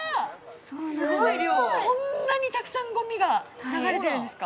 こんなにたくさんゴミが流れてるんですか？